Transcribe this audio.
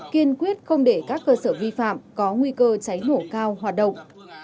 kiên quyết không để các cơ sở vi phạm có nguy cơ cháy nổ cao hoạt động